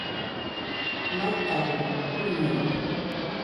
Maikajɨ tuiño